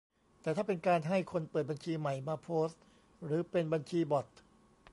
แต่ถ้าเป็นการให้คนเปิดบัญชีใหม่มาโพสต์ หรือเป็นบัญชีบอต